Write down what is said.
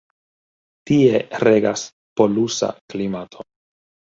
Tie regas polusa klimato.